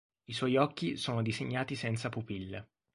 I suoi occhi sono disegnati senza pupille.